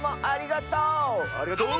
ありがとう！